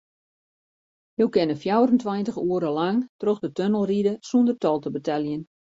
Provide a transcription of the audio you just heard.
Jo kinne fjouwerentweintich oere lang troch de tunnel ride sûnder tol te beteljen.